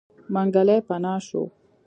منګلی پناه شو.